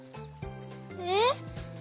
えっ？